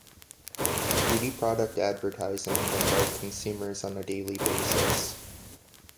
Beauty product advertising bombard consumers on a daily basis.